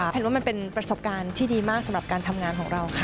แนนว่ามันเป็นประสบการณ์ที่ดีมากสำหรับการทำงานของเราค่ะ